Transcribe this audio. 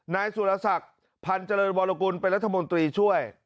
นายสุรศักดิ์พันธ์เจริญวรกุลเป็นรัฐมนตรีช่วย